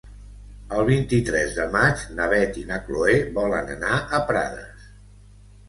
El vint-i-tres de maig na Beth i na Chloé volen anar a Prades.